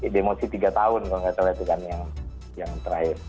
demosi tiga tahun kalau nggak salah itu kan yang terakhir